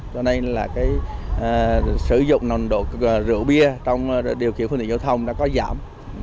do này là sử dụng nồng độ rượu bia trong điều khiển phương tiện giao thông đã có giảm